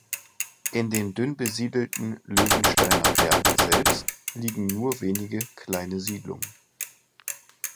In den dünn besiedelten Löwensteiner Bergen selbst liegen nur wenige, kleine Siedlungen.